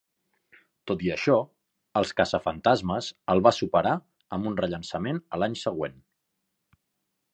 Tot i això, "Els caçafantasmes" el va superar amb un rellançament a l'any següent.